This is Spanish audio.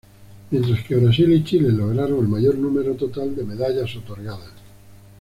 Mientras que Brasil y Chile lograron el mayor número total de medallas otorgadas.